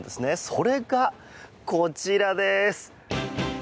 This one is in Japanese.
それがこちらです。